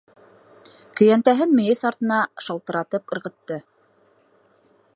Көйәнтәһен мейес артына шалтыратып ырғытты.